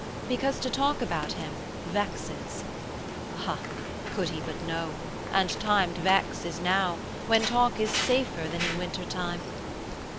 Because to talk about Him, vexes ha, Could He but know! and time to vex is now, When talk is safer than in wintertime.